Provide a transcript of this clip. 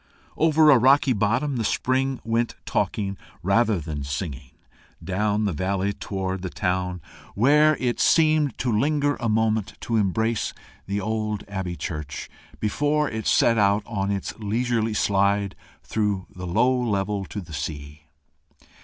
Over a rocky bottom the stream went talking rather than singing down the valley towards the town, where it seemed to linger a moment to embrace the old abbey church, before it set out on its leisurely slide through the low level to the sea.